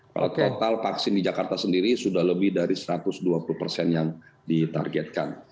kalau total vaksin di jakarta sendiri sudah lebih dari satu ratus dua puluh persen yang ditargetkan